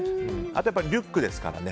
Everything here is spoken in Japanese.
あとリュックですからね。